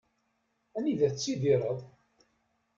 Anida tettidireḍ?